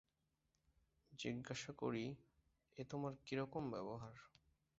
জিজ্ঞাসা করি, এ তোমার কী রকম ব্যবহার।